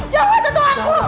jangan tentu aku